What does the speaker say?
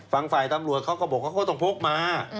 ฟังฝ่ายตำรวจเขาก็บอกว่าเขาต้องพกมา